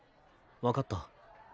分かった。